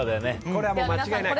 これは間違いない！